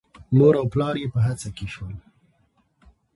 مور او پلار یې په هڅه کې شول.